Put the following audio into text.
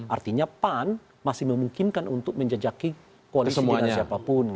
artinya pan masih memungkinkan untuk menjajaki koalisi dengan siapapun